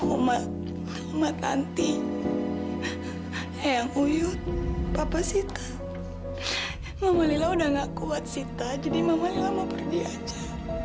omat omat nanti yang uyut papa sita mama lila udah ngakuat sita jadi mama lila mau pergi aja